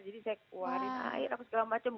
jadi saya keluarin air apa segala macem